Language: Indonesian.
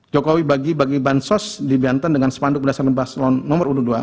jokowi bagi bansos di banten dengan sepanduk berdasarkan paslon nomor dua